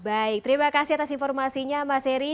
baik terima kasih atas informasinya mas eri